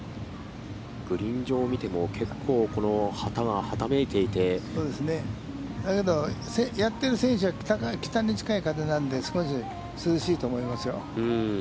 グリーン上を見ても、結構この旗がはためいていて、やってる選手は北風に近い風なんで、少し涼しいと思いますよ。